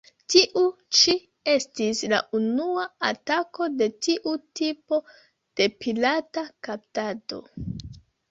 Tiu ĉi estis la unua atako de tiu tipo de pirata "kaptado".